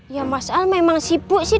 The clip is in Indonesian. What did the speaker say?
ya mas al memang sibuk sih